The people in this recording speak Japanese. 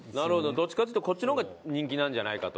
どっちかっていうとこっちの方が人気なんじゃないかと。